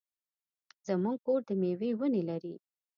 زمونږ کور د مېوې ونې لري.